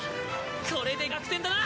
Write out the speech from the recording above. これで逆転だな！